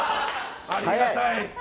ありがたい。